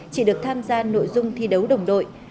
chỉ được tham gia nội dung thi đấu đồng đội